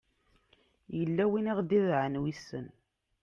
yella win i aɣ-d-idɛan wissen